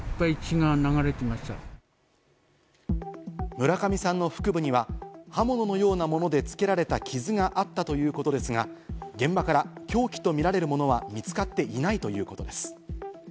村上さんの腹部には、刃物のようなものでつけられた傷があったということですが、現場から凶器とみられるものは見つかっていないということです。